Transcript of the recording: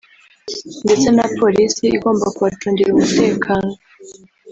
ndetse na polisi igomba kubacungira umutekano